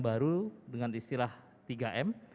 baru dengan istilah tiga m